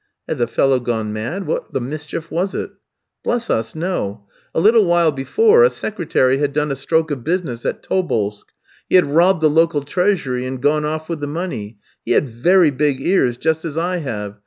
"Had the fellow gone mad? What the mischief was it? "Bless us, no! A little while before, a secretary had done a stroke of business at Tobolsk: he had robbed the local treasury and gone off with the money; he had very big ears, just as I have.